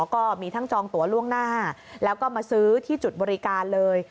ก็มีทั้งจองตัวล่วงหน้าแล้วก็มาซื้อที่จุดบริการเลย